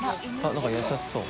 何か優しそう。